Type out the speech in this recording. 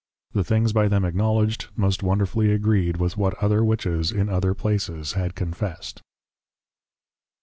The things by them \Acknowledged\, most wonderfully \Agreed\ with what other Witches, in other places had confessed.